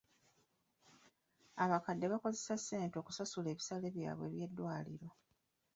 Abakadde bakozesa ssente okusasula ebisale byabwe eby'eddwaliro.